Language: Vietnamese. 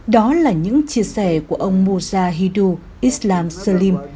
đó là những chia sẻ của ông mujahidu islam salim